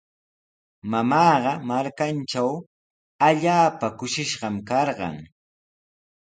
Mamaaqa markantraw allaapa trikishqami karqan.